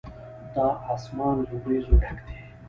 دا آسمان له وريځو ډک دی.